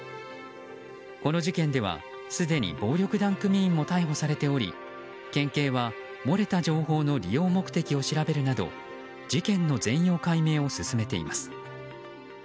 この事件ではすでに暴力団組員も逮捕されており県警は漏れた情報の利用目的を調べるなど事件の全容解明を進めています。